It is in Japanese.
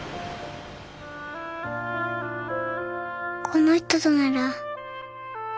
この人となら。